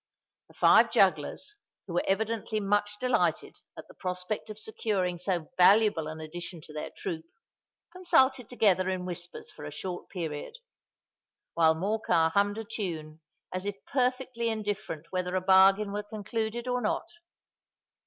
The five jugglers, who were evidently much delighted at the prospect of securing so valuable an addition to their troop, consulted together in whispers for a short period, while Morcar hummed a tune as if perfectly indifferent whether a bargain were concluded or not.